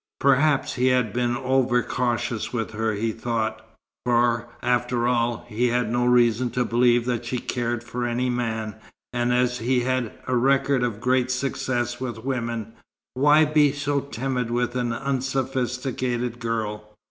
Perhaps he had been over cautious with her, he thought; for, after all, he had no reason to believe that she cared for any man, and as he had a record of great successes with women, why be so timid with an unsophisticated girl?